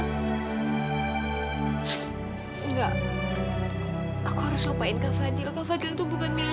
enggak aku harus lupain kak fadil local fadil itu bukan milik